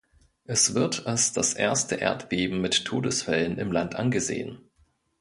Es wird als das erste Erdbeben mit Todesfällen im Land angesehen.